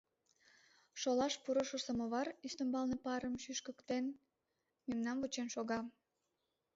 Шолаш пурышо самовар, ӱстембалне парым шӱшкыктен, мемнам вучен шога.